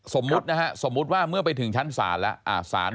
สมมุตินะฮะสมมุติว่าเมื่อไปถึงชั้นศาลแล้ว